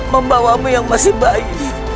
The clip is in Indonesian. membawamu yang masih bayi